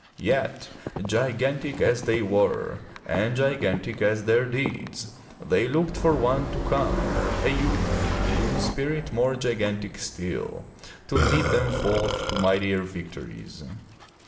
Yet gigantic as they were, and gigantic as their deeds, they looked for one to come, a youth, in spirit more gigantic still, to lead them forth to mightier victories.